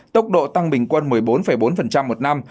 tốc độ tăng bình quân một mươi bốn bốn một năm